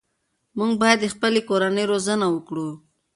موږ باید د خپلې کورنۍ روزنه وکړو.